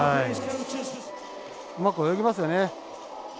うまく泳ぎますよね。